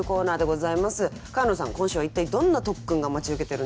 今週は一体どんな特訓が待ち受けてるんでしょうか。